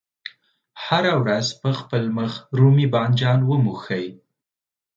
هره ورځ په خپل مخ رومي بانجان وموښئ.